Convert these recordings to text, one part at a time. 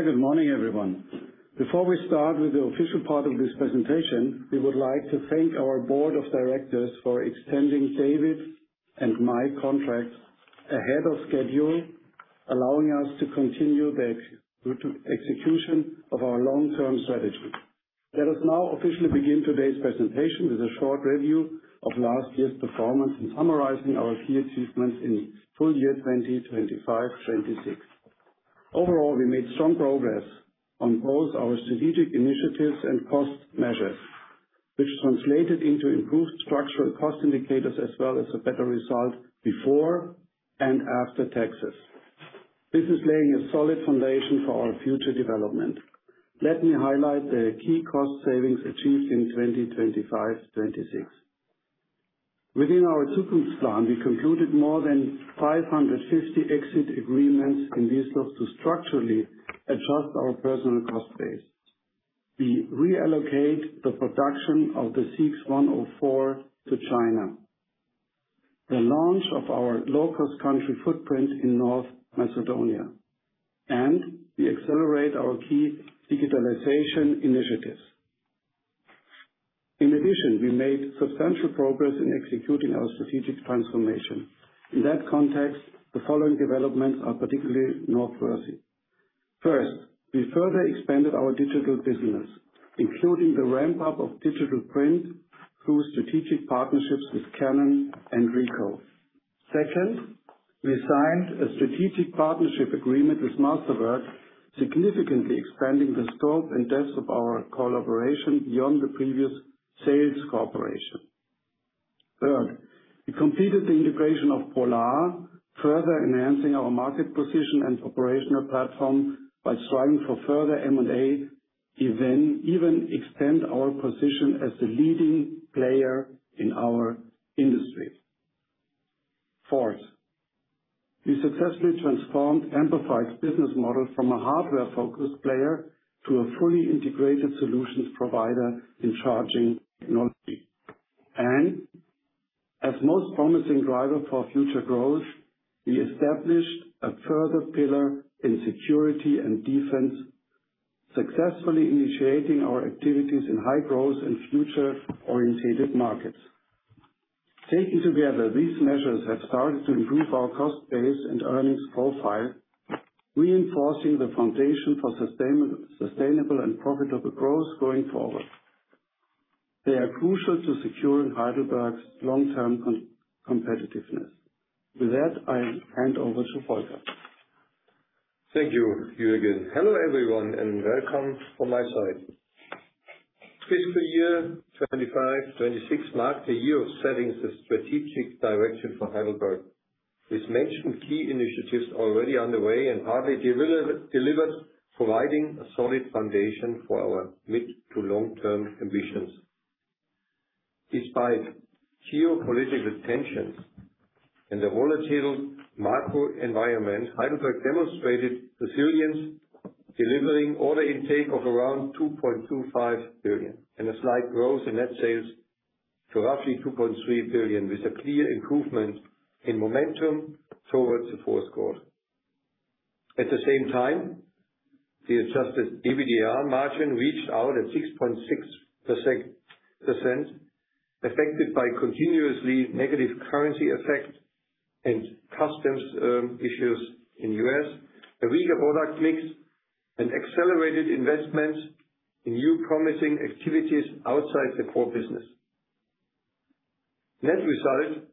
Good morning, everyone. Before we start with the official part of this presentation, we would like to thank our board of directors for extending David's and my contract ahead of schedule, allowing us to continue the execution of our long-term strategy. Let us now officially begin today's presentation with a short review of last year's performance in summarizing our key achievements in full year 2025/2026. Overall, we made strong progress on both our strategic initiatives and cost measures, which translated into improved structural cost indicators as well as a better result before and after taxes. This is laying a solid foundation for our future development. Let me highlight the key cost savings achieved in 2025/2026. Within our Zukunftsplan, we concluded more than 550 exit agreements, conducive to structurally adjust our personal cost base. We reallocate the production of the Speedmaster CX 104 to China, the launch of our low-cost country footprint in North Macedonia, and we accelerate our key digitalization initiatives. In addition, we made substantial progress in executing our strategic transformation. In that context, the following developments are particularly noteworthy. First, we further expanded our digital business, including the ramp-up of digital print through strategic partnerships with Canon and Ricoh. Second, we signed a strategic partnership agreement with Masterwork, significantly expanding the scope and depth of our collaboration beyond the previous sales cooperation. Third, we completed the integration of Polar, further enhancing our market position and operational platform by striving for further M&A, even extend our position as the leading player in our industry. Fourth, we successfully transformed Amperfied's business model from a hardware-focused player to a fully integrated solutions provider in charging technology. As most promising driver for future growth, we established a further pillar in security and defense, successfully initiating our activities in high growth and future-orientated markets. Taken together, these measures have started to improve our cost base and earnings profile, reinforcing the foundation for sustainable and profitable growth going forward. They are crucial to securing Heidelberg's long-term competitiveness. With that, I'll hand over to Volker. Thank you, Jürgen. Hello, everyone, and welcome from my side. Fiscal year 2025/26 marked a year of setting the strategic direction for Heidelberg. With mentioned key initiatives already underway and partly delivered, providing a solid foundation for our mid to long-term ambitions. Despite geopolitical tensions and the volatile macro environment, Heidelberg demonstrated resilience, delivering order intake of around 2.25 billion, and a slight growth in net sales to roughly 2.3 billion, with a clear improvement in momentum towards the fourth quarter. At the same time, the adjusted EBITDA margin reached out at 6.6%, affected by continuously negative currency effect and customs issues in U.S., a weaker product mix, and accelerated investments in new promising activities outside the core business. Net result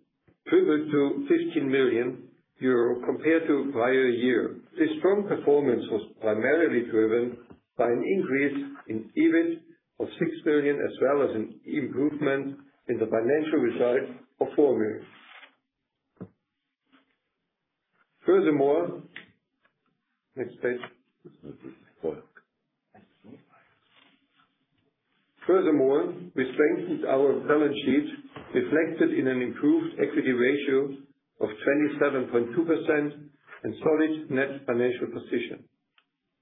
improved to 15 million euro compared to prior year. This strong performance was primarily driven by an increase in EBIT of 6 million, as well as an improvement in the financial result of 4 million. Furthermore, next page. Furthermore, we strengthened our balance sheet, reflected in an improved equity ratio of 27.2% and solid net financial position.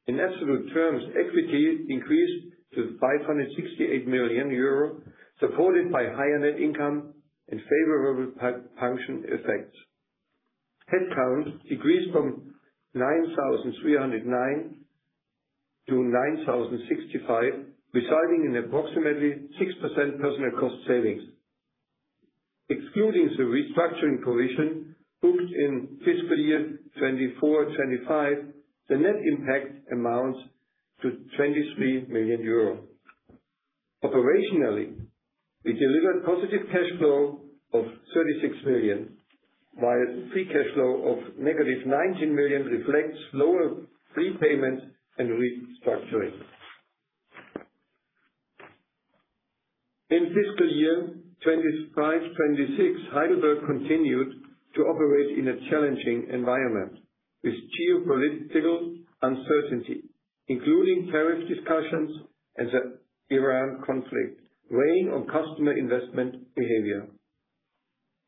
In absolute terms, equity increased to 568 million euros, supported by higher net income and favorable pension effects. Headcount decreased from 9,309 to 9,065, resulting in approximately 6% personal cost savings. Excluding the restructuring provision booked in fiscal year 2024/2025, the net impact amounts to 23 million euro. Operationally, we delivered positive cash flow of 36 million, while free cash flow of negative 19 million reflects lower prepayment and restructuring. In fiscal year 2025/2026, Heidelberg continued to operate in a challenging environment with geopolitical uncertainty, including tariff discussions and the Iran conflict, weighing on customer investment behavior.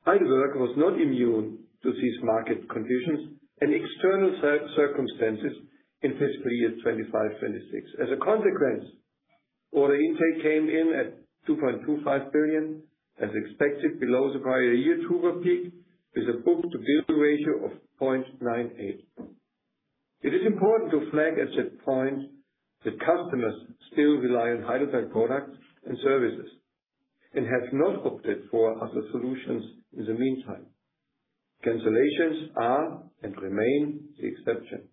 Heidelberg was not immune to these market conditions and external circumstances in fiscal year 2025/2026. As a consequence, order intake came in at 2.25 billion, as expected below the prior year peak with a book-to-bill ratio of 0.98. It is important to flag at that point that customers still rely on Heidelberg products and services and have not opted for other solutions in the meantime. Cancellations are and remain the exception.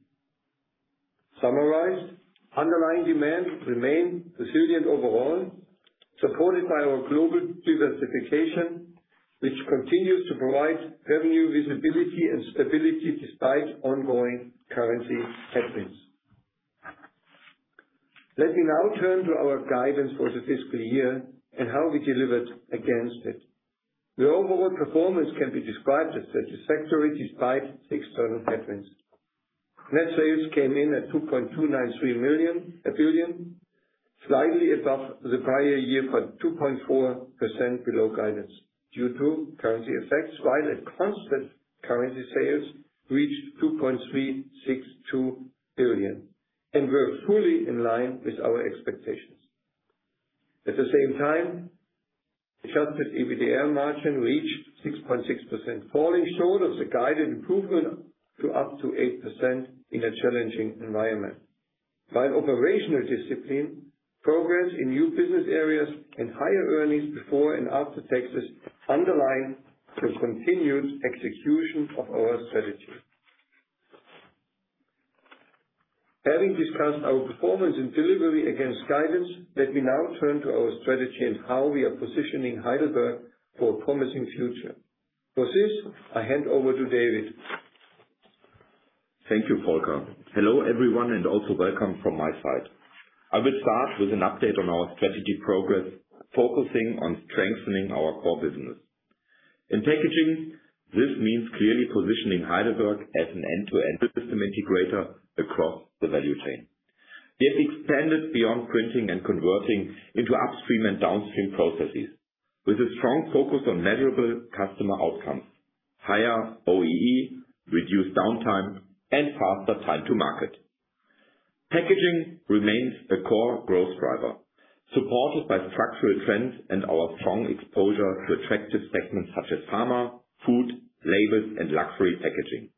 Summarized, underlying demand remains resilient overall, supported by our global diversification, which continues to provide revenue visibility and stability despite ongoing currency headwinds. Let me now turn to our guidance for the fiscal year and how we delivered against it. The overall performance can be described as satisfactory despite external headwinds. Net sales came in at 2.293 billion, slightly above the prior year, but 2.4% below guidance due to currency effects, while at constant currency sales reached 2.362 billion and were fully in line with our expectations. At the same time, adjusted EBITDA margin reached 6.6%, falling short of the guided improvement to up to 8% in a challenging environment. While operational discipline, progress in new business areas and higher earnings before and after taxes underline the continued execution of our strategy. Having discussed our performance and delivery against guidance, let me now turn to our strategy and how we are positioning Heidelberg for a promising future. For this, I hand over to David. Thank you, Volker. Hello everyone and also welcome from my side. I will start with an update on our strategy progress, focusing on strengthening our core business. In packaging, this means clearly positioning Heidelberg as an end-to-end system integrator across the value chain. It expanded beyond printing and converting into upstream and downstream processes with a strong focus on measurable customer outcomes, higher OEE, reduced downtime, and faster time to market. Packaging remains a core growth driver, supported by structural trends and our strong exposure to attractive segments such as pharma, food, labels, and luxury packaging.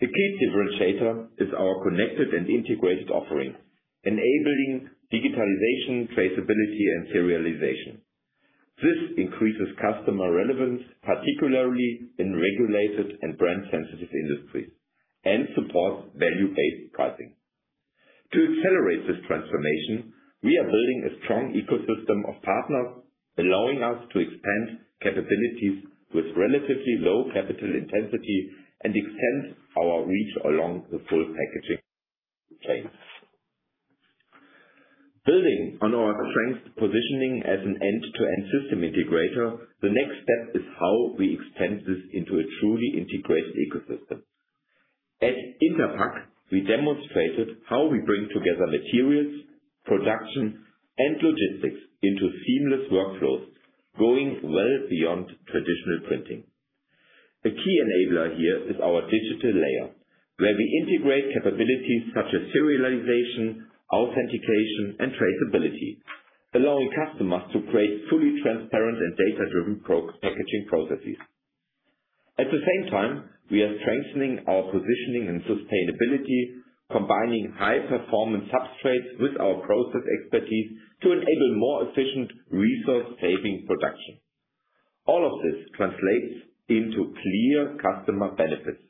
The key differentiator is our connected and integrated offering, enabling digitalization, traceability, and serialization. This increases customer relevance, particularly in regulated and brand-sensitive industries, and supports value-based pricing. To accelerate this transformation, we are building a strong ecosystem of partners, allowing us to expand capabilities with relatively low capital intensity and extend our reach along the full packaging chain. Building on our strength positioning as an end-to-end system integrator, the next step is how we extend this into a truly integrated ecosystem. At interpack, we demonstrated how we bring together materials, production, and logistics into seamless workflows, going well beyond traditional printing. The key enabler here is our digital layer, where we integrate capabilities such as serialization, authentication, and traceability, allowing customers to create fully transparent and data-driven packaging processes. At the same time, we are strengthening our positioning and sustainability, combining high-performance substrates with our process expertise to enable more efficient resource-saving production. All of this translates into clear customer benefits,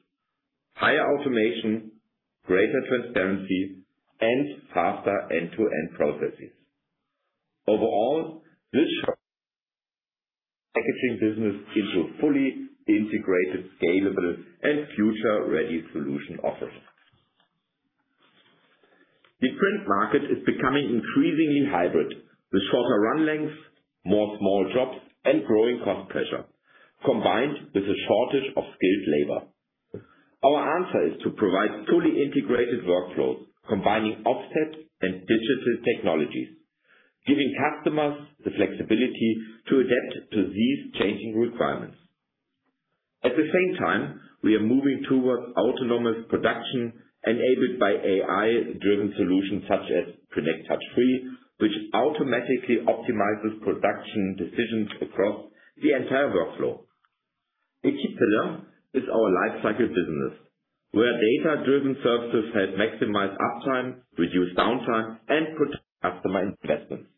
higher automation, greater transparency, and faster end-to-end processes. Overall, this packaging business into a fully integrated, scalable, and future-ready solution offering. The print market is becoming increasingly hybrid, with shorter run lengths, more small jobs, and growing cost pressure, combined with a shortage of skilled labor. Our answer is to provide fully integrated workflows, combining offset and digital technologies, giving customers the flexibility to adapt to these changing requirements. At the same time, we are moving towards autonomous production enabled by AI-driven solutions such as Prinect Touch Free, which automatically optimizes production decisions across the entire workflow. A key pillar is our lifecycle business, where data-driven services help maximize uptime, reduce downtime, and protect customer investments.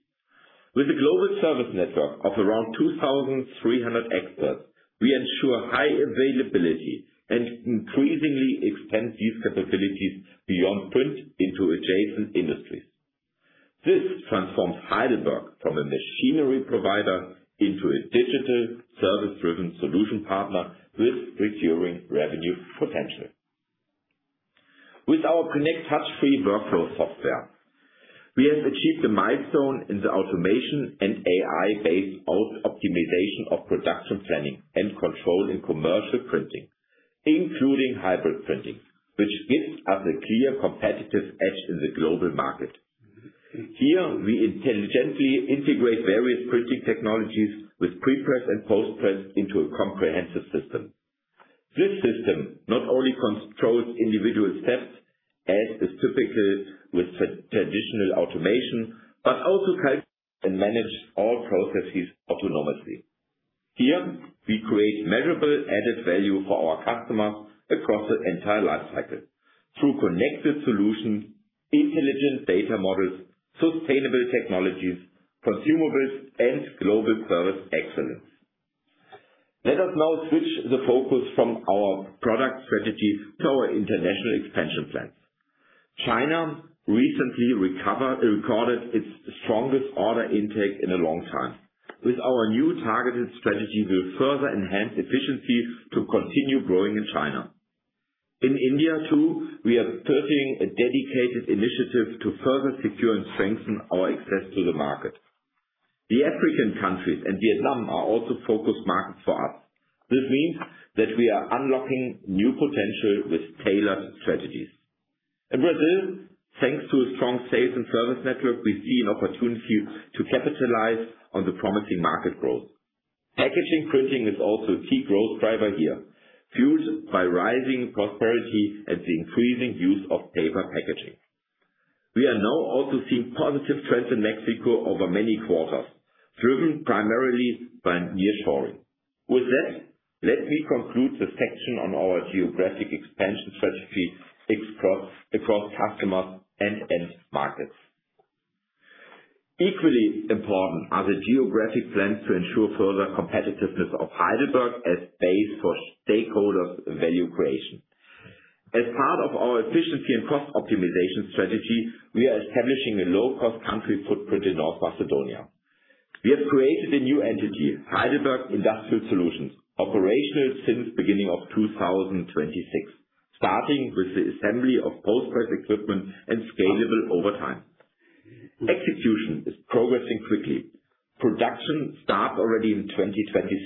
With a global service network of around 2,300 experts, we ensure high availability and increasingly expand these capabilities beyond print into adjacent industries. This transforms Heidelberg from a machinery provider into a digital service-driven solution partner with recurring revenue potential. With our Prinect Touch Free workflow software, we have achieved a milestone in the automation and AI-based optimization of production planning and control in commercial printing, including hybrid printing, which gives us a clear competitive edge in the global market. Here, we intelligently integrate various printing technologies with pre-press and post-press into a comprehensive system. This system not only controls individual steps as is typical with traditional automation, but also calculates and manages all processes autonomously. Here, we create measurable added value for our customers across the entire life cycle through connected solutions, intelligent data models, sustainable technologies, consumables and global service excellence. Let us now switch the focus from our product strategies to our international expansion plans. China recently recorded its strongest order intake in a long time. With our new targeted strategy, we will further enhance efficiency to continue growing in China. In India too, we are pursuing a dedicated initiative to further secure and strengthen our access to the market. The African countries and Vietnam are also focus markets for us. This means that we are unlocking new potential with tailored strategies. In Brazil, thanks to a strong sales and service network, we see an opportunity to capitalize on the promising market growth. Packaging printing is also a key growth driver here, fueled by rising prosperity and the increasing use of paper packaging. We are now also seeing positive trends in Mexico over many quarters, driven primarily by nearshoring. With that, let me conclude the section on our geographic expansion strategy across customers and end markets. Equally important are the geographic plans to ensure further competitiveness of Heidelberg as base for stakeholder value creation. As part of our efficiency and cost optimization strategy, we are establishing a low-cost country footprint in North Macedonia. We have created a new entity, Heidelberg Industrial Solutions, operational since beginning of 2026, starting with the assembly of post-press equipment and scalable over time. Execution is progressing quickly. Production start already in 2026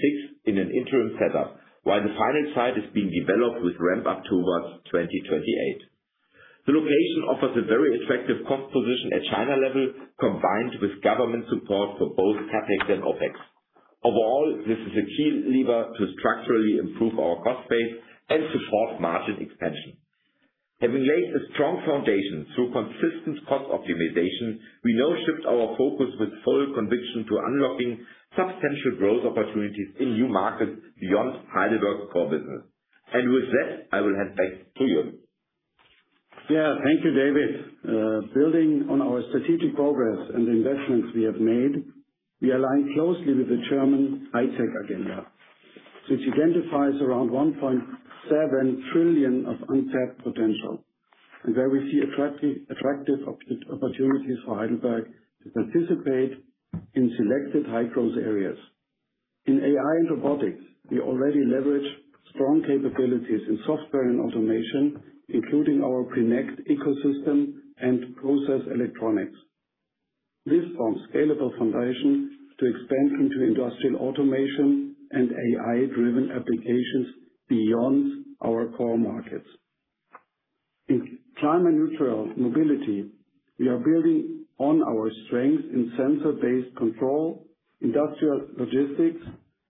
in an interim setup, while the final site is being developed with ramp up towards 2028. The location offers a very attractive cost position at China level, combined with government support for both CapEx and OpEx. Overall, this is a key lever to structurally improve our cost base and support margin expansion. Having laid a strong foundation through consistent cost optimization, we now shift our focus with full conviction to unlocking substantial growth opportunities in new markets beyond Heidelberg core business. With that, I will hand back to [Jürgen]. Thank you, David. Building on our strategic progress and the investments we have made, we align closely with the German high tech agenda, which identifies around 1.7 trillion of unmet potential, and where we see attractive opportunities for Heidelberg to participate in selected high-growth areas. In AI and robotics, we already leverage strong capabilities in software and automation, including our Prinect ecosystem and process electronics. This forms scalable foundation to expand into industrial automation and AI-driven applications beyond our core markets. In climate neutral mobility, we are building on our strength in sensor-based control, industrial logistics,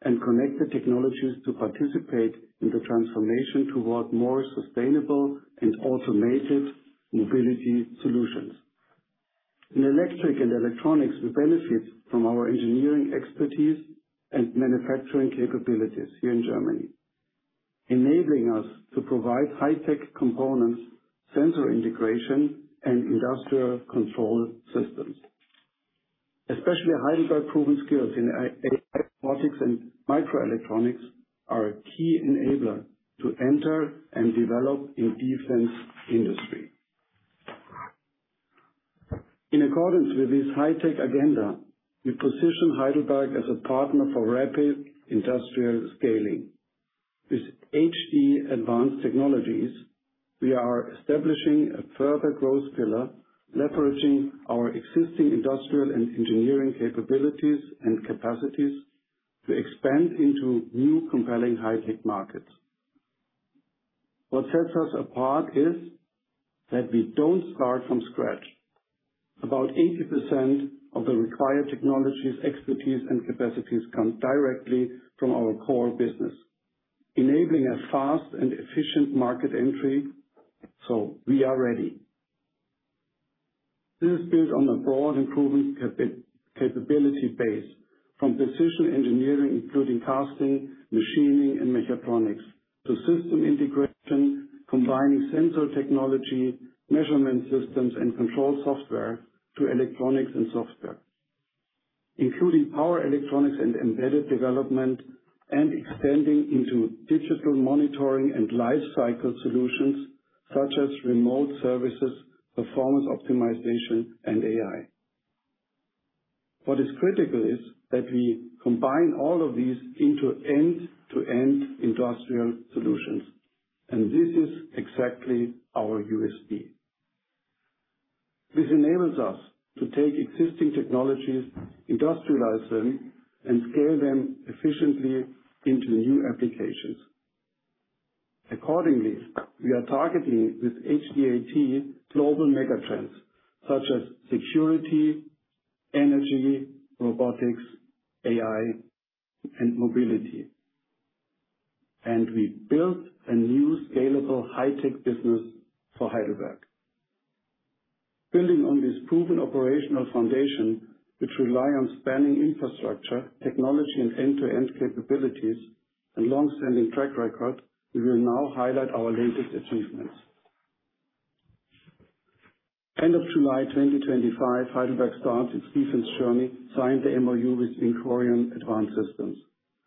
and connected technologies to participate in the transformation toward more sustainable and automated mobility solutions. In electric and electronics, we benefit from our engineering expertise and manufacturing capabilities here in Germany, enabling us to provide high-tech components, sensor integration, and industrial control systems. Especially Heidelberg proven skills in robotics and microelectronics are a key enabler to enter and develop in defense industry. In accordance with this high-tech agenda, we position Heidelberg as a partner for rapid industrial scaling. With HD Advanced Technologies, we are establishing a further growth pillar, leveraging our existing industrial and engineering capabilities and capacities to expand into new compelling high-tech markets. What sets us apart is that we don't start from scratch. About 80% of the required technologies, expertise, and capacities come directly from our core business, enabling a fast and efficient market entry, so we are ready. This is built on a broad improvement capability base from precision engineering, including casting, machining, and mechatronics, to system integration, combining sensor technology, measurement systems, and control software to electronics and software. Including power electronics and embedded development, and extending into digital monitoring and life cycle solutions such as remote services, performance optimization, and AI. What is critical is that we combine all of these into end-to-end industrial solutions, and this is exactly our USP. This enables us to take existing technologies, industrialize them, and scale them efficiently into new applications. Accordingly, we are targeting with HD AT global mega trends such as security, energy, robotics, AI, and mobility. We built a new scalable high-tech business for Heidelberg. Building on this proven operational foundation, which rely on spanning infrastructure, technology, and end-to-end capabilities, and long-standing track record, we will now highlight our latest achievements. End of July 2025, Heidelberg started its defense journey, signed the MoU with VINCORION Advanced Systems.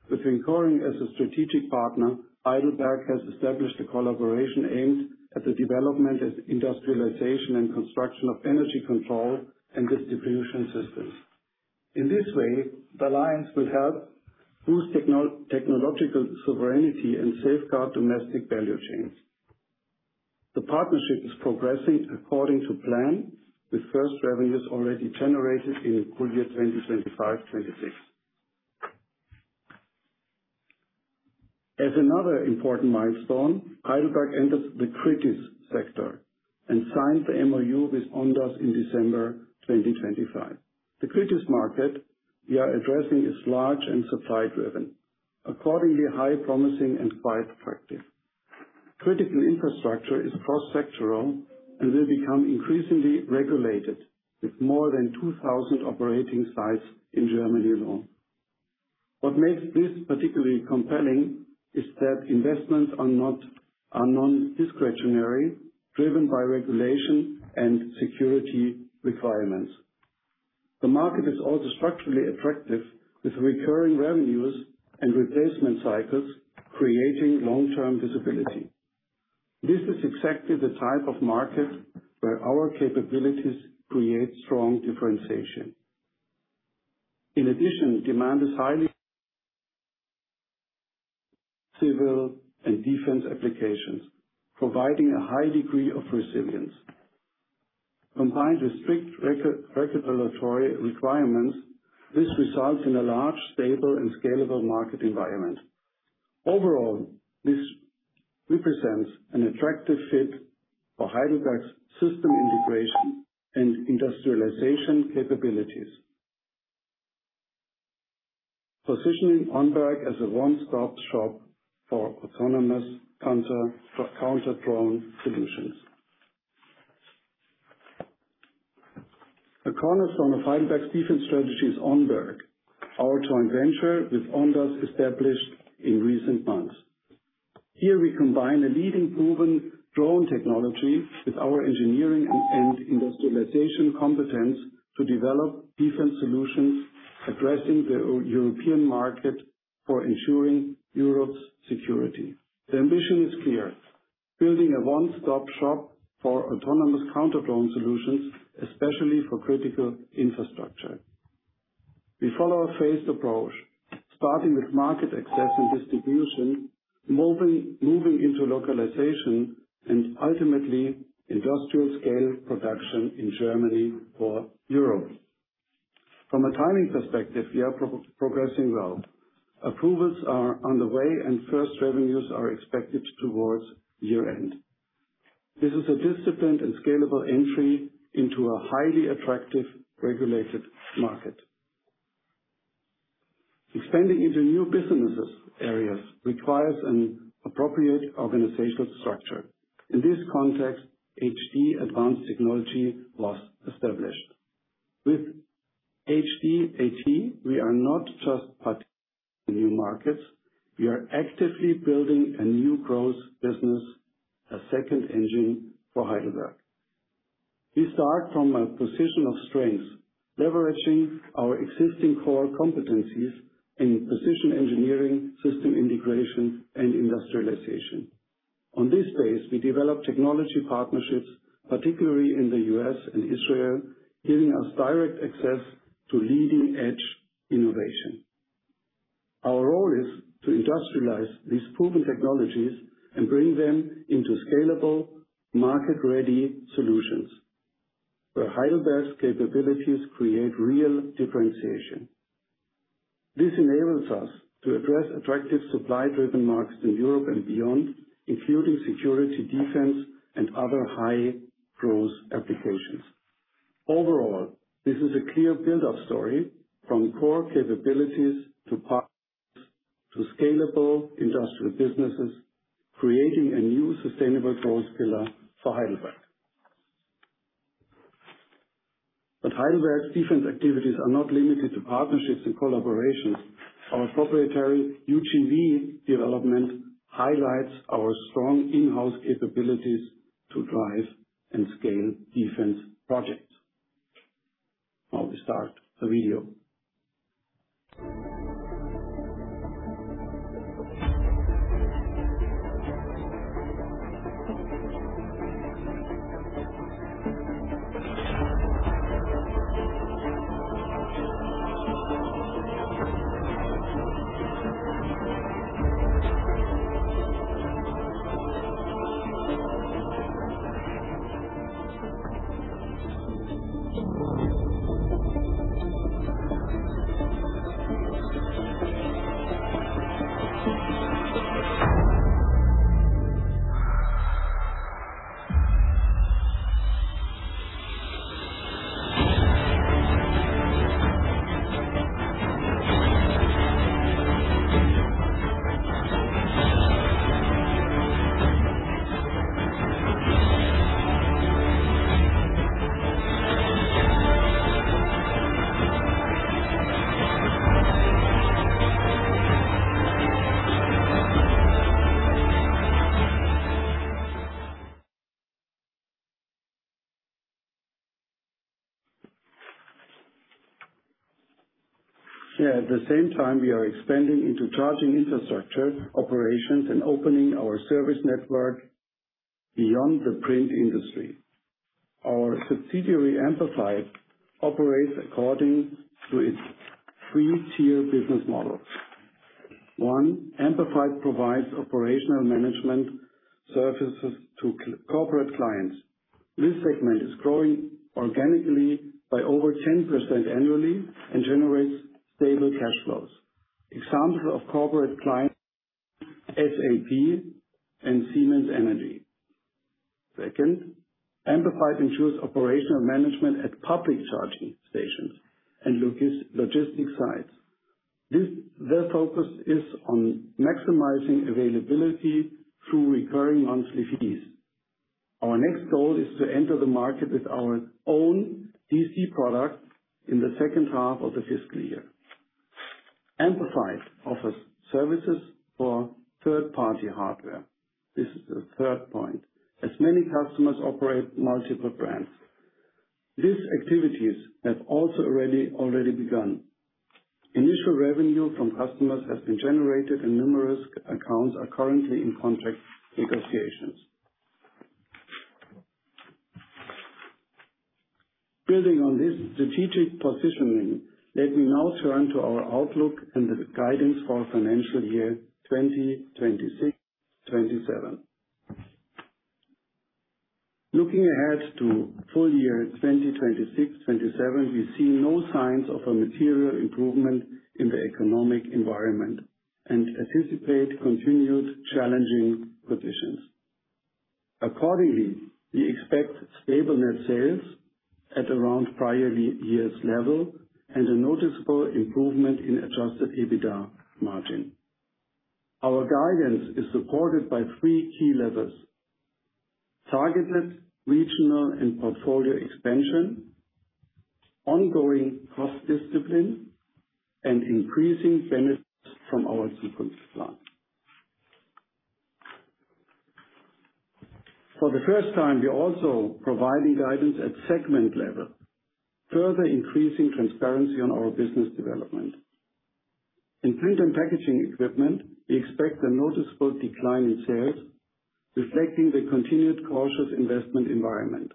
With VINCORION as a strategic partner, Heidelberg has established a collaboration aimed at the development of industrialization and construction of energy control and distribution systems. In this way, the alliance will help boost technological sovereignty and safeguard domestic value chains. The partnership is progressing according to plan, with first revenues already generated in the full year 2025, 2026. As another important milestone, Heidelberg enters the critical sector and signed the MoU with Ondas in December 2025. The critical market we are addressing is large and supply-driven, accordingly high promising and quite attractive. Critical infrastructure is cross-sectoral and will become increasingly regulated with more than 2,000 operating sites in Germany alone. What makes this particularly compelling is that investments are non-discretionary, driven by regulation and security requirements. The market is also structurally attractive, with recurring revenues and replacement cycles creating long-term visibility. This is exactly the type of market where our capabilities create strong differentiation. In addition, demand is highly civil and defense applications, providing a high degree of resilience. Combined with strict regulatory requirements, this results in a large, stable, and scalable market environment. Overall, this represents an attractive fit for Heidelberg's system integration and industrialization capabilities. Positioning ONBERG as a one-stop shop for autonomous counter-drone solutions. A cornerstone of Heidelberg's defense strategy is ONBERG, our joint venture with Ondas established in recent months. Here we combine a leading proven drone technology with our engineering and industrialization competence to develop defense solutions addressing the European market for ensuring Europe's security. The ambition is clear: building a one-stop shop for autonomous counter-drone solutions, especially for critical infrastructure. We follow a phased approach, starting with market access and distribution, moving into localization, and ultimately industrial-scale production in Germany for Europe. From a timing perspective, we are progressing well. Approvals are on the way, and first revenues are expected towards year-end. This is a disciplined and scalable entry into a highly attractive regulated market. Expanding into new business areas requires an appropriate organizational structure. In this context, HD Advanced Technologies was established. With HDAT, we are not just participating in new markets. We are actively building a new growth business, a second engine for Heidelberg. We start from a position of strength, leveraging our existing core competencies in precision engineering, system integration, and industrialization. On this phase, we develop technology partnerships, particularly in the U.S. and Israel, giving us direct access to leading-edge innovation. Our role is to industrialize these proven technologies and bring them into scalable market-ready solutions, where Heidelberg's capabilities create real differentiation. This enables us to address attractive supply-driven markets in Europe and beyond, including security, defense, and other high-growth applications. Overall, this is a clear build-up story from core capabilities to partners to scalable industrial businesses, creating a new sustainable growth pillar for Heidelberg. Heidelberg's defense activities are not limited to partnerships and collaborations. Our proprietary UGV development highlights our strong in-house capabilities to drive and scale defense projects. Now we start the video. Yeah. At the same time, we are expanding into charging infrastructure operations and opening our service network beyond the print industry. Our subsidiary, Amperfied, operates according to its three-tier business model. One, Amperfied provides operational management services to corporate clients. This segment is growing organically by over 10% annually and generates stable cash flows. Examples of corporate clients, SAP and Siemens Energy. Second, Amperfied ensures operational management at public charging stations and logistics sites. Their focus is on maximizing availability through recurring monthly fees. Our next goal is to enter the market with our own DC product in the second half of the fiscal year. Amperfied offers services for third-party hardware. This is the third point. As many customers operate multiple brands. These activities have also already begun. Initial revenue from customers has been generated, and numerous accounts are currently in contract negotiations. Building on this strategic positioning, let me now turn to our outlook and the guidance for financial year 2026, 2027. Looking ahead to full year 2026, 2027, we see no signs of a material improvement in the economic environment and anticipate continued challenging conditions. We expect stable net sales at around prior year's level and a noticeable improvement in adjusted EBITDA margin. Our guidance is supported by three key levers: targeted regional and portfolio expansion, ongoing cost discipline, and increasing benefits from our supply. For the first time, we are also providing guidance at segment level, further increasing transparency on our business development. In Print & Packaging Equipment, we expect a noticeable decline in sales, reflecting the continued cautious investment environment.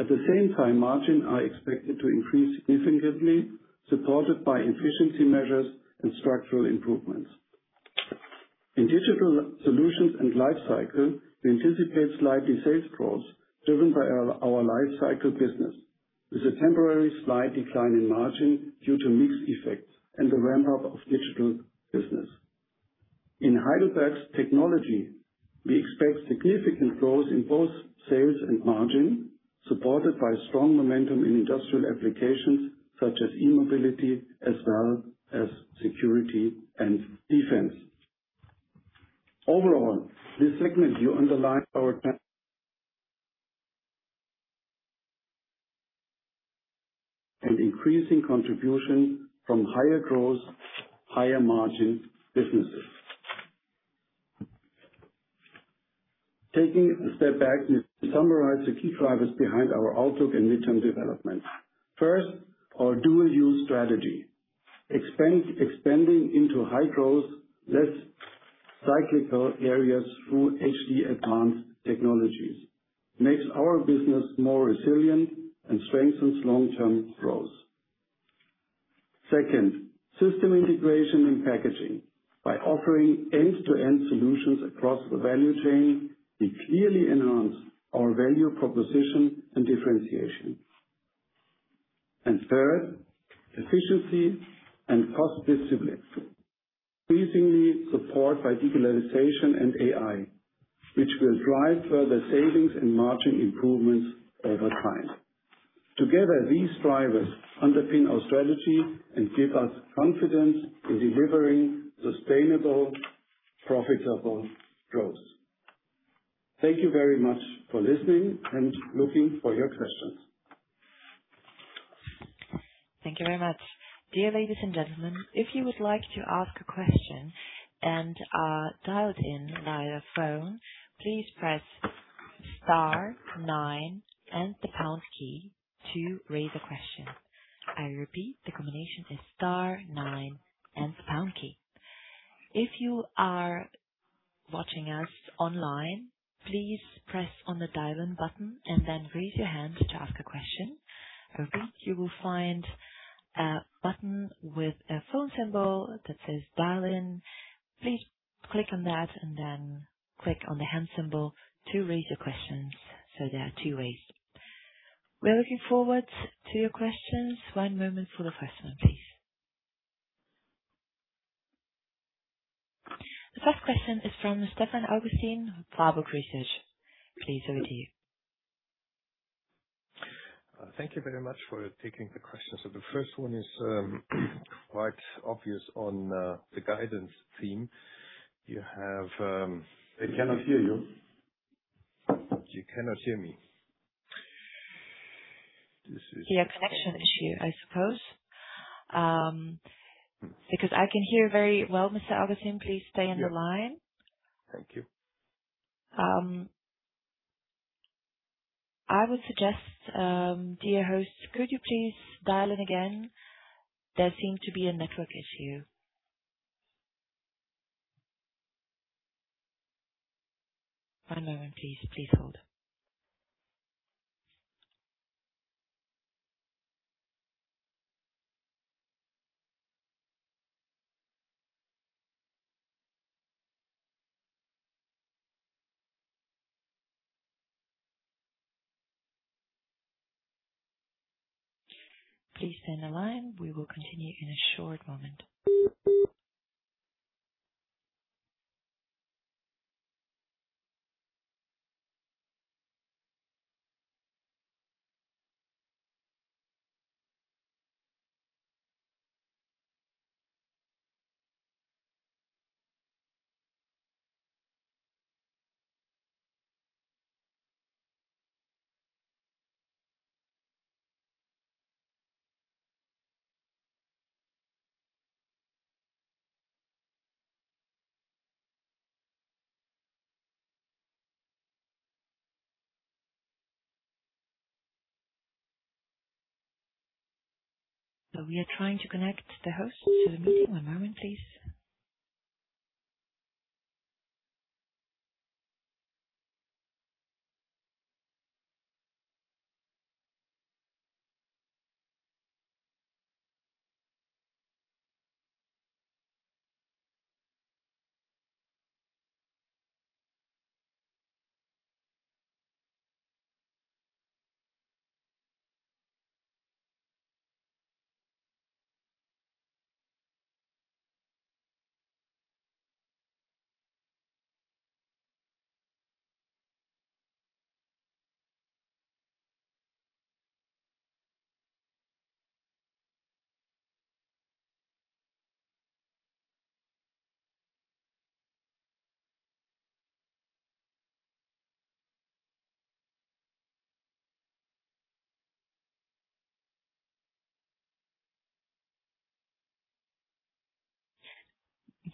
At the same time, margins are expected to increase significantly, supported by efficiency measures and structural improvements. In Digital Solutions & Lifecycle, we anticipate slight sales growth driven by our lifecycle business, with a temporary slight decline in margin due to mix effects and the ramp-up of digital business. In HEIDELBERG Technology, we expect significant growth in both sales and margin, supported by strong momentum in industrial applications such as e-mobility as well as security and defense. Overall, this segment will underline our increasing contribution from higher growth, higher margin businesses. Taking a step back to summarize the key drivers behind our outlook and midterm development. First, our dual-use strategy. Expanding into high growth, less cyclical areas through HD Advanced Technologies, makes our business more resilient and strengthens long-term growth. Second, system integration and packaging. By offering end-to-end solutions across the value chain, we clearly enhance our value proposition and differentiation. Third, efficiency and cost discipline. Increasingly supported by digitalization and AI, which will drive further savings and margin improvements over time. Together, these drivers underpin our strategy and give us confidence in delivering sustainable, profitable growth. Thank you very much for listening and looking for your questions. Thank you very much. Dear ladies and gentlemen, if you would like to ask a question and are dialed in via phone, please press star nine and the pound key to raise a question. I repeat, the combination is star nine and the pound key. If you are watching us online, please press on the dial-in button and then raise your hand to ask a question. I repeat, you will find a button with a phone symbol that says Dial-in. Please click on that and then click on the hand symbol to raise your questions. There are two ways. We are looking forward to your questions. One moment for the first one, please. The first question is from Stefan Augustin, Warburg Research. Please go ahead. Thank you very much for taking the question. The first one is quite obvious on the guidance theme. They cannot hear you. You cannot hear me? Yeah. Connection issue, I suppose. I can hear very well, Mr. Augustin. Please stay on the line. Thank you. I would suggest, dear host, could you please dial in again? There seem to be a network issue. One moment please. Please hold. Please stay on the line. We will continue in a short moment. We are trying to connect the host to the meeting. One moment please.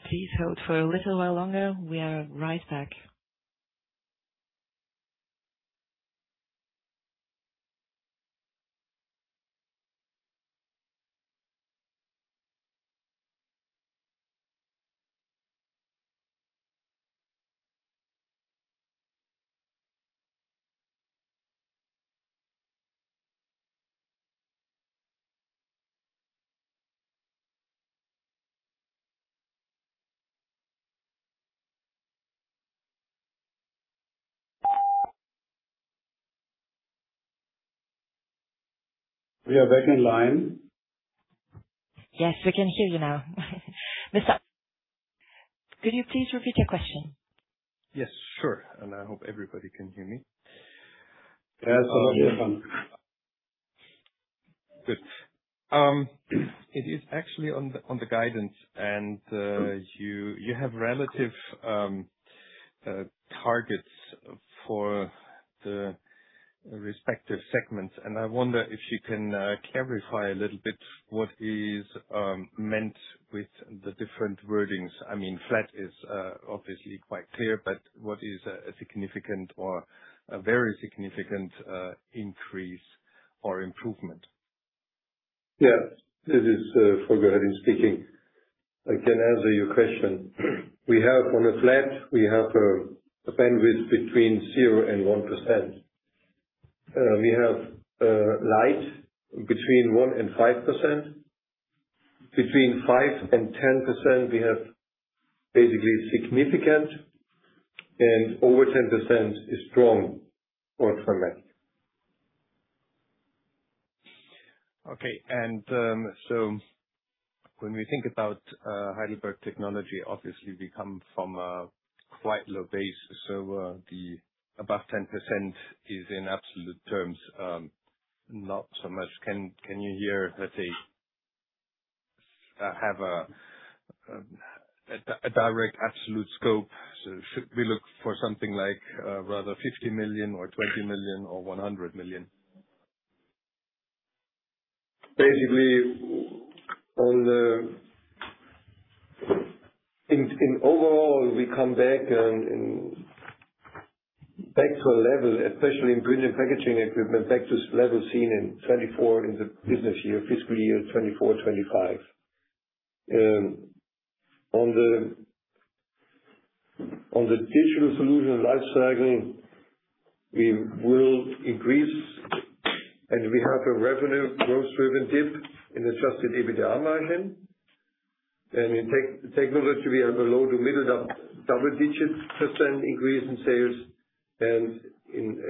Please hold for a little while longer. We are right back. We are back in line. Yes, we can hear you now. Could you please repeat your question? Yes, sure. I hope everybody can hear me. Yes. Good. It is actually on the guidance, you have relative targets for the respective segments, and I wonder if you can clarify a little bit what is meant with the different wordings. I mean, flat is obviously quite clear, but what is a significant or a very significant increase or improvement? This is Volker Herdin speaking. I can answer your question. We have on a flat, we have a bandwidth between 0% and 1%. We have light between 1% and 5%. Between 5% and 10%, we have basically significant and over 10% is strong or excellent. Okay. When we think about HEIDELBERG Technology, obviously we come from a quite low base. The above 10% is in absolute terms, not so much. Can you here, let's say, have a direct absolute scope? Should we look for something like rather 50 million or 20 million or 100 million? Basically, in overall, we come back to a level, especially in Print & Packaging Equipment, back to level seen in 2024, in the business year, fiscal year 2024, 2025. On the Digital Solutions & Lifecycle, we will increase and we have a revenue growth driven dip in adjusted EBITDA margin. In HEIDELBERG Technology, we have a low to middle double-digit percent increase in sales and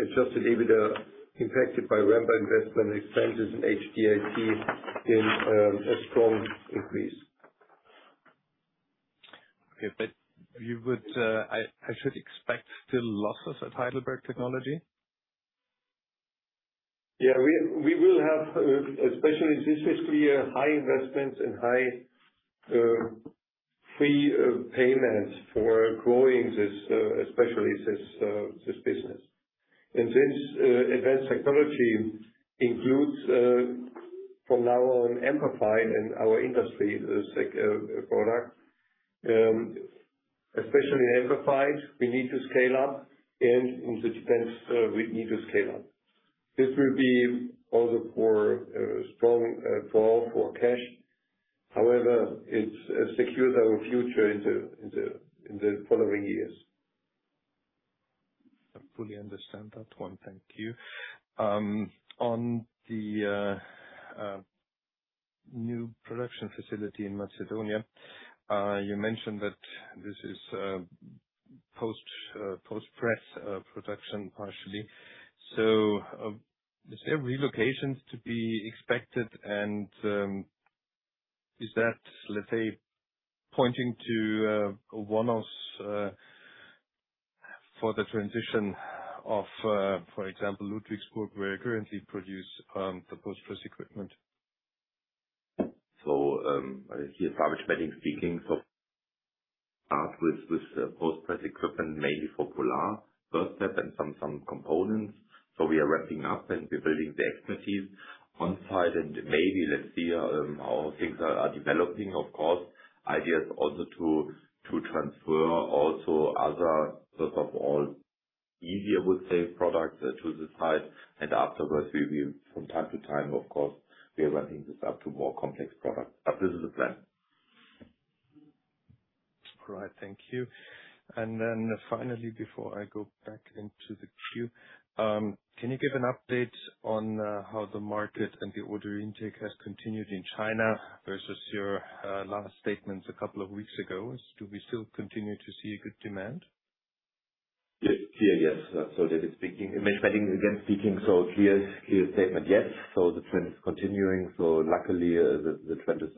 adjusted EBITDA impacted by [inaudible investment expenses and Heidelberg IT in a strong increase. Okay. I should expect still losses at HEIDELBERG Technology? Yeah. We will have, especially this fiscal year, high investments and high free payments for growing especially this business. Since advanced technology includes from now on Amperfied in our industry, the HEIDELBERG Industry product. Especially Amperfied, we need to scale up, and in the defense, we need to scale up. This will be also for a strong fall for cash. [However], it secures our future in the following years. I fully understand that one. Thank you. On the new production facility in Macedonia, you mentioned that this is post-press production partially. Is there relocations to be expected and is that, let's say, pointing to a one-off for the transition of, for example, Ludwigsburg, where you currently produce the post-press equipment? [So, here] Schmedding speaking. As with post-press equipment, mainly for Polar first step and some components. We are ramping up and we're building the expertise on site and maybe let's see how things are developing, of course. Idea is also to transfer also other, first of all, easier, I would say, products to the site, and afterwards, from time to time, of course, we are ramping this up to more complex products. This is the plan. All right. Thank you. Then finally, before I go back into the queue, can you give an update on how the market and the order intake has continued in China versus your last statements a couple of weeks ago? Do we still continue to see good demand? Yes. [David] Schmedding again speaking. Clear statement, yes. The trend is continuing. Luckily, the trend is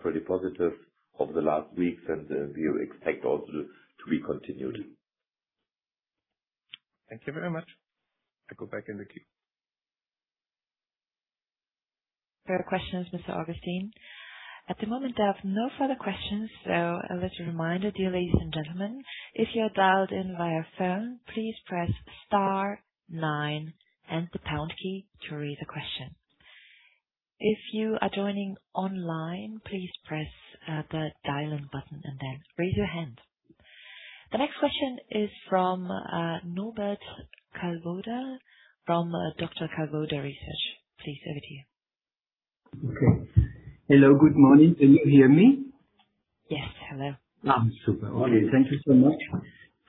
pretty positive over the last weeks, and we expect also to be continued. Thank you very much. I go back in the queue. Further questions, Mr. Augustin. At the moment, I have no further questions. A little reminder, dear ladies and gentlemen, if you are dialed in via phone, please press star nine and the pound key to raise a question. If you are joining online, please press the dial-in button and then raise your hand. The next question is from Norbert Kalliwoda from Dr. Kalliwoda Research. Please over to you. Okay. Hello. Good morning. Can you hear me? Yes. Hello. Super. Thank you so much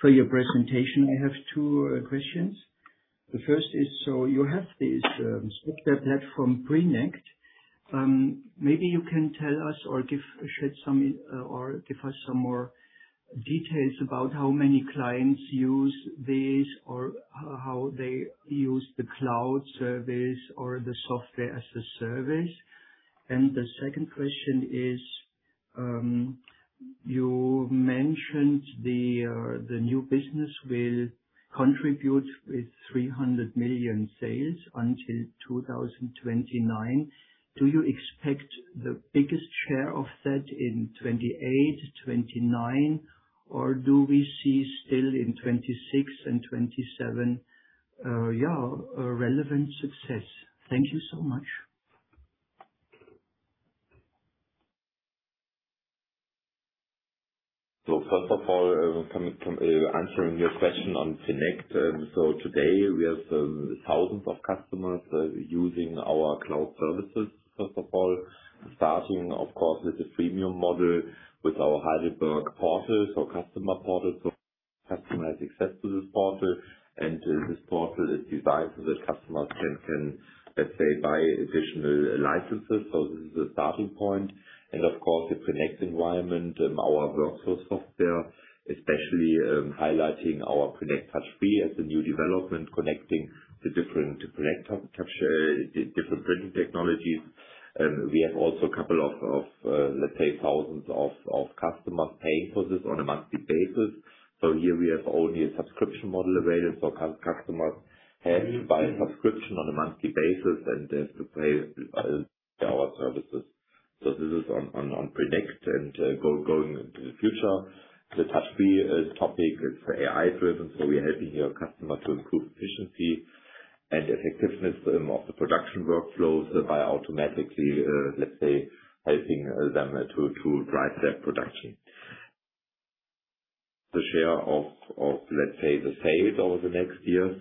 for your presentation. I have two questions. The first is, you have this software platform, Prinect. Maybe you can tell us or give us some more details about how many clients use this or how they use the cloud service or the software as a service. The second question is, you mentioned the new business will contribute with 300 million sales until 2029. Do you expect the biggest share of that in 2028, 2029, or do we see still in 2026 and 2027 a relevant success? Thank you so much. First of all, answering your question on Prinect. Today we have thousands of customers using our cloud services, first of all, starting, of course, with the freemium model, with our HEIDELBERG Customer Portal, so customer portal. Customer has access to this portal, and this portal is designed so that customers can, let's say, buy additional licenses. This is the starting point. Of course, the Prinect environment, our workflow software, especially highlighting our Prinect Touch Free as a new development, connecting the different Prinect capture, different printing technologies. We have also thousands of customers paying for this on a monthly basis. Here we have only a subscription model available. Customers have to buy a subscription on a monthly basis and to pay our services. This is on Prinect and going into the future. The Touch Free topic is AI-driven. We are helping your customer to improve efficiency and effectiveness of the production workflows by automatically helping them to drive their production. The share of the sales over the next years.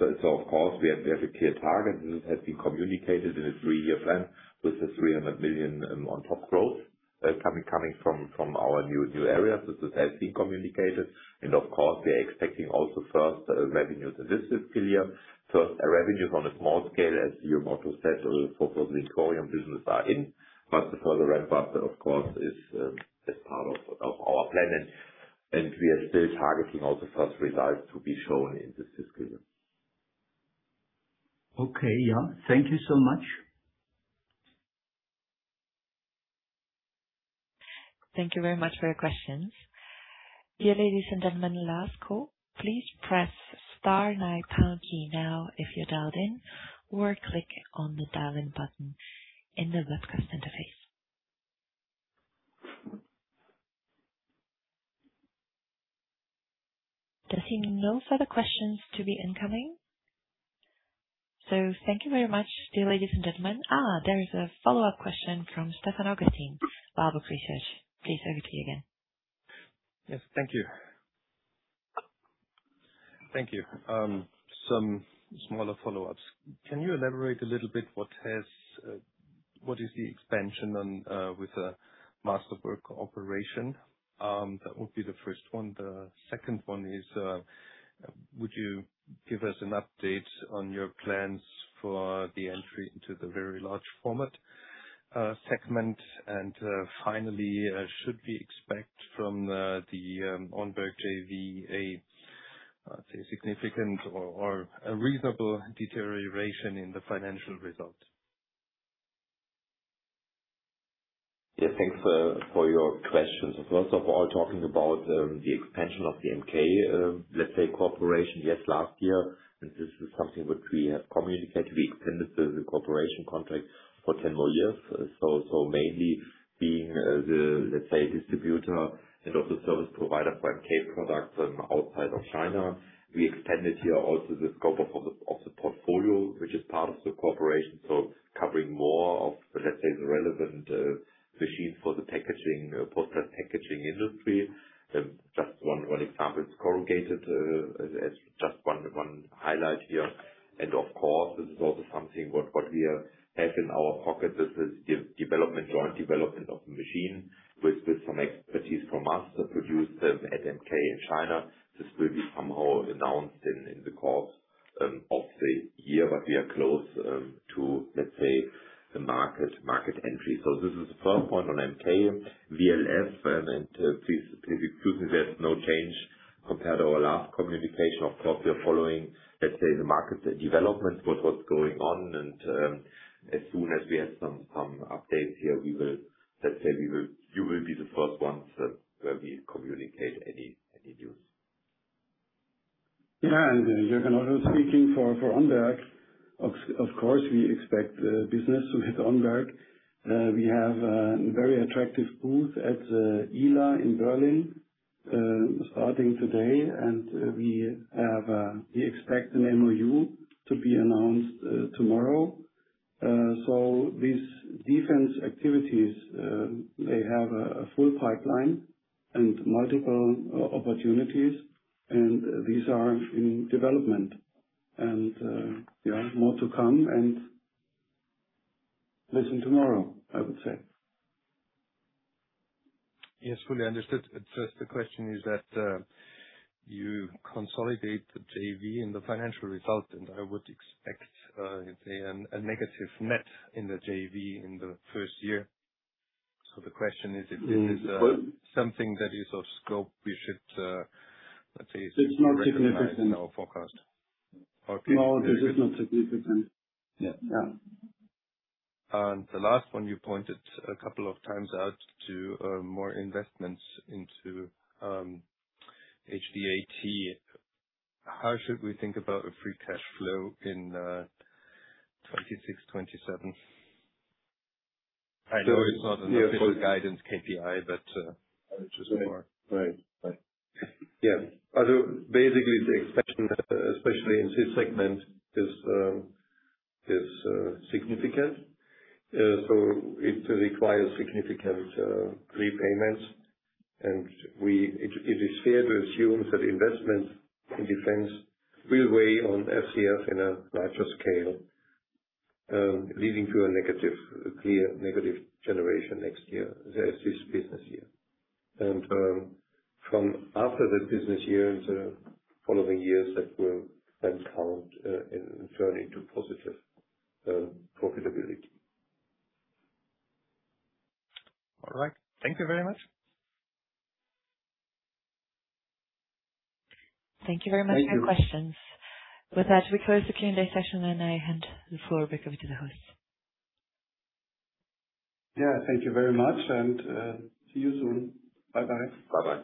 Of course, we have a clear target. This has been communicated in a three-year plan with the 300 million on top growth coming from our new areas. This has been communicated. Of course, we are expecting also first revenues in this fiscal year. First revenues on a small scale, as Jürgen said, for the in-store business are in. For the ramp-up, of course, is part of our plan. We are still targeting all the first results to be shown in this fiscal year. Okay. Yeah. Thank you so much. Thank you very much for your questions. Dear ladies and gentlemen, last call. Please press star nine pound key now if you're dialed in or click on the dial-in button in the webcast interface. There seem no further questions to be incoming. Thank you very much, dear ladies and gentlemen. Ah there's a follow-up question from Stefan Augustin, Warburg Research. Please over to you again. Yes. Thank you. Thank you. Some smaller follow-ups. Can you elaborate a little bit, what is the expansion on with the Masterwork cooperation? That would be the first one. The second one is, would you give us an update on your plans for the entry into the very large format segment? Finally, should we expect from the ONBERG JV, a significant or a reasonable deterioration in the financial results? Thanks for your questions. First of all, talking about the expansion of the Masterwork cooperation, yes, last year, this is something which we have communicated, we extended the cooperation contract for 10 more years. Mainly being the distributor and also service provider for Masterwork products outside of China. We extended here also the scope of the portfolio, which is part of the cooperation, covering more of the relevant machines for the post-packaging industry. Just one example is corrugated, as just one highlight here. Of course, this is also something what we have in our pocket. This is joint development of the machine with some expertise from us to produce them at Masterwork in China. This will be somehow announced in the course of the year, we are close to the market entry. This is the first point on Masterwork. VLF, please excuse me, there is no change compared to our last communication. Of course, we are following the market developments, what was going on, as soon as we have some updates here, you will be the first ones when we communicate any news. Jürgen also speaking for ONBERG. Of course, we expect business with ONBERG. We have a very attractive booth at the ILA in Berlin, starting today. We expect an MoU to be announced tomorrow. These defense activities, they have a full pipeline and multiple opportunities, these are in development. More to come, listen tomorrow, I would say. Yes, fully understood. Just the question is that, you consolidate the JV and the financial result, and I would expect, let's say, a negative net in the JV in the first year. The question is if this is something that is off scope, we should, let's say- It's not significant. Recognize in our forecast. No, this is not significant. Yeah. Yeah. The last one, you pointed a couple of times out to more investments into HDAT. How should we think about a free cash flow in 2026, 2027? I know it's not an official guidance KPI, but I'm just curious. Right. Yeah. Basically the expansion, especially in this segment, is significant. It requires significant prepayments, it is fair to assume that investment in defense will weigh on FCF in a larger scale, leading to a negative generation next year. That is this business year. From after that business year into following years, that will then count and turn into positive profitability. All right. Thank you very much. Thank you very much for your questions. With that, we close the Q&A session, I hand the floor back over to the host. Yeah. Thank you very much, and see you soon. Bye-bye. Bye-bye.